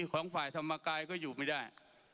ของฝ่ายธรรมกายก็อยู่ไม่ได้